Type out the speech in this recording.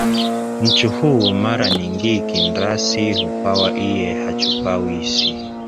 Nchu huu mara ningii kindrasi hupawa iye hachupawi isi.